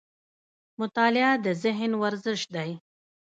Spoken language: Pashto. مطالعه د ذهن ورزش دی